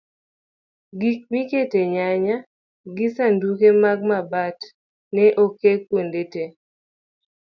gik mikete nyanya gi sanduge mag mabat ne oke kwonde te